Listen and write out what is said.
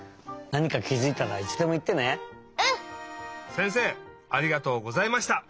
せんせいありがとうございました。